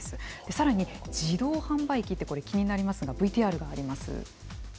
さらに、自動販売機って気になりますがＶＴＲがあります。